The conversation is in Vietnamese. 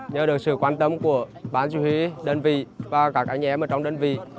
nhờ được sự quan tâm của ban chủ huy đơn vị và các anh em ở trong đơn vị